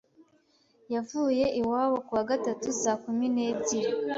– yavuye iwabo kuwa gatatu saa kumi n’ebyiri